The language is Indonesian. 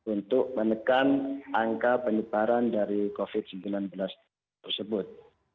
untuk menekan angka penyebaran dari covid sembilan belas tersebut